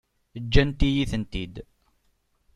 Ǧǧant-iyi-tent-id.